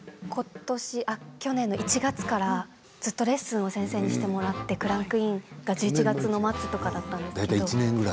去年の１月からずっとレッスンを先生にしてもらってクランクインが１１月の末とかだったんですけれど。